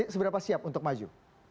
seberapa siap untuk maju